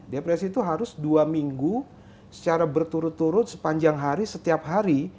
depresi itu harus dua minggu secara berturut turut sepanjang hari setiap hari